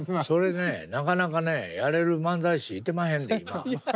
それねなかなかねやれる漫才師いてまへんで今。